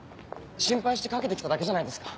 心配してかけて来ただけじゃないですか？